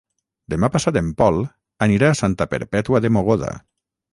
Demà passat en Pol anirà a Santa Perpètua de Mogoda.